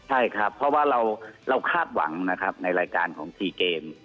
ใช่ครับเพราะว่าเราคาดหวังนะครับในรายการของ๔เกม